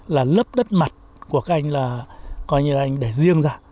là lớp đất mặt của các anh là coi như anh để riêng ra